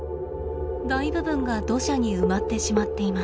大部分が土砂に埋まってしまっています。